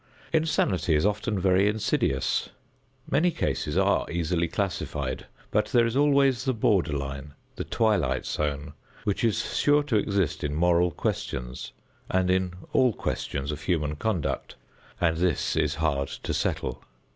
Insanity is often very insidious. Many cases are easily classified, but there is always the border line, the twilight zone, which is sure to exist in moral questions and in all questions of human conduct, and this is hard to settle.